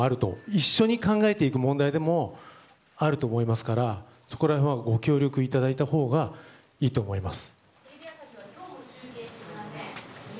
一緒に考えていく問題でもあると思うのでそこら辺はご協力いただいたほうがいいと思います。